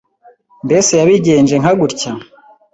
Mbese yabigenje nka gutya